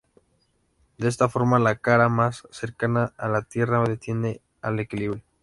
De esta forma, la cara más cercana a la Tierra tiende al equilibrio.